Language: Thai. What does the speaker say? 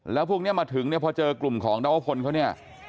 แล้วพวกนี้มาถึงพอเจอกลุ่มของนวพลเขา